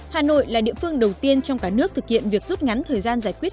hà nội là địa phương đầu tiên trong cả nước thực hiện việc rút ngắn thời gian giải quyết